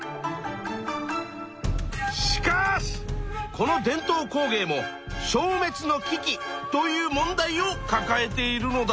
しかしこの伝統工芸も消滅の危機という問題をかかえているのだ。